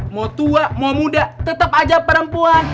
mau tua mau muda tetap aja perempuan